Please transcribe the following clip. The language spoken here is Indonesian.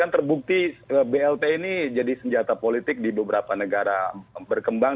terbukti blt ini jadi senjata politik di beberapa negara berkembang